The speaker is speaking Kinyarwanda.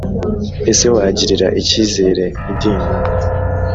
ese wagirira icyizere idini?